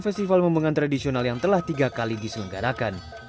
festival membangunan tradisional yang telah tiga kali disediakan